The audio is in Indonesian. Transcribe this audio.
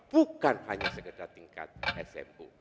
bukan hanya sekedar tingkat smu